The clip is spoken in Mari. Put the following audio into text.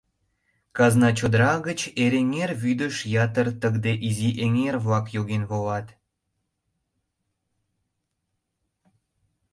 Казна чодыра гыч Эреҥер вӱдыш ятыр тыгыде изи эҥер-влак йоген волат.